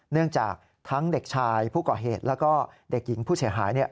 เนื่องจากทั้งเด็กชายผู้ก่อเหตุแล้วก็เด็กหญิงผู้เสียหาย